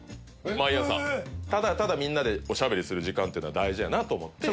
毎朝ただただみんなでおしゃべりする時間っていうのは大事やなと思って。